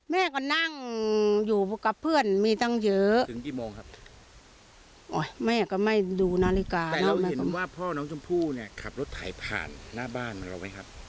แม่ก็นั่งอยู่กับเพื่อนมีตั้งเยอะถึงกี่โมงครับอ๋อแม่ก็ไม่ดูนาฬิกาแต่เราเห็นว่าพ่อน้องชมพู่เนี่ยขับรถไถผ่านหน้าบ้านของเราไหมครับ